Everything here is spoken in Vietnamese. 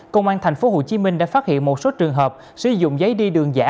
công an tp hcm đã phát hiện một số trường hợp sử dụng giấy đi đường giả